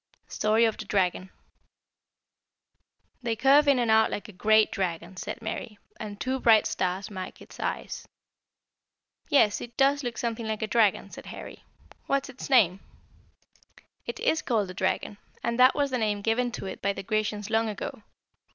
STORY OF THE DRAGON. "They curve in and out like a great dragon," said Mary; "and two bright stars mark its eyes." "Yes, it does look something like a dragon," said Harry. "What is its name?" "It is called the Dragon, as that was the name given to it by the Grecians long ago.